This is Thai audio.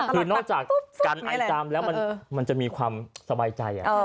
คือนอกจากกันไอจามแล้วมันจะมีความสบายใจ